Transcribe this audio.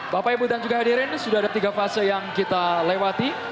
bapak ibu dan juga hadirin sudah ada tiga fase yang kita lewati